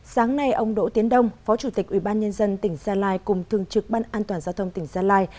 sáng nay ông đỗ tiến đông phó chủ tịch ubnd tỉnh gia lai cùng thường trực ban an toàn giao thông tỉnh gia lai